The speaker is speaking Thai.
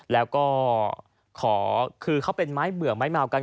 แล้วก็เขาเป็นไม้เหมือไม้เหมากัน